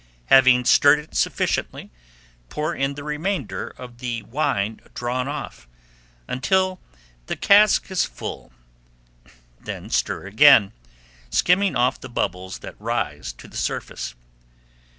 Having stirred it sufficiently, pour in the remainder of the wine drawn off, until the cask is full; then stir again, skimming off the bubbles that rise to the surface.